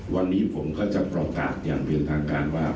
วันนี้ผมก็จะประกาศอย่างเป็นทางการว่า